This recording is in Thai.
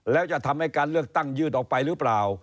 แล้วจะทำให้การเลือกตั้งยืดออกไปหรือเปล่า